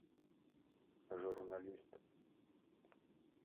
Ажурналист.